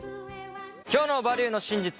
今日の「バリューの真実」